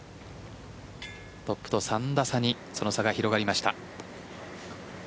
トップと３打差にその差が広がりました。